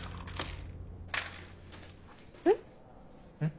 えっ？